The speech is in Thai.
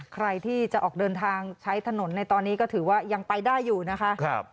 ใครที่จะออกเดินทางใช้ถนนในตอนนี้ก็ถือว่ายังไปได้อยู่นะคะ